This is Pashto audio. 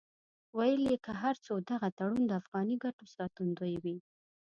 ویل یې که هر څو دغه تړون د افغاني ګټو ساتندوی وي.